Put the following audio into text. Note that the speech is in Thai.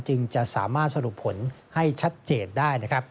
จึงจะสามารถสรุปผลให้ชัดเจนได้